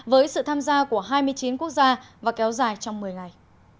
với sự tham gia của hai mươi chín quốc gia và kéo dài trong một mươi ngày